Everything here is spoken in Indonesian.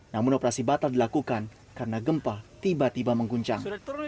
namun operasi batal dilakukan karena gempa tiba tiba mengguncang